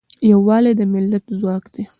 یوالی د ملت ځواک دی.